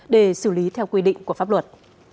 để xử lý theo quy định của pháp luật